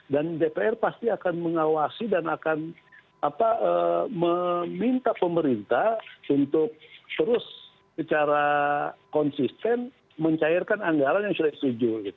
dan dpr pasti akan mengawasi dan akan meminta pemerintah untuk terus secara konsisten mencairkan anggaran yang sudah disetujui